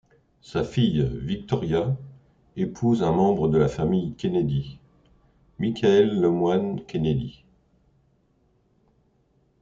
Sa fille, Victoria, épouse un membre de la famille Kennedy, Michael LeMoyne Kennedy.